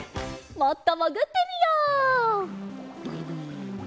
もっともぐってみよう。